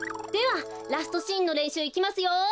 ではラストシーンのれんしゅういきますよ。